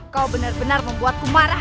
kau benar benar membuatku marah